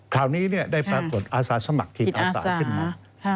คราวนี้ได้ปรากฏอาสาสมัครทีมอาสาขึ้นมา